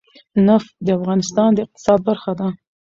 نفت د افغانستان د اقتصاد برخه ده.